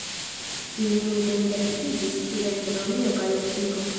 Ili multe interesiĝis pri astronomio kaj optiko.